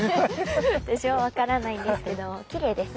私も分からないんですけどきれいですね